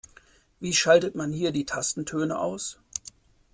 Wie schaltet man hier die Tastentöne aus?